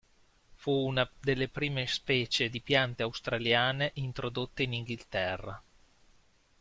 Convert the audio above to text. Fu una delle prime specie di piante australiane introdotte in Inghilterra.